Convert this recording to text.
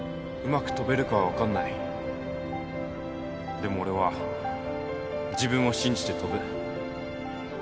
でも俺は自分を信じて跳ぶ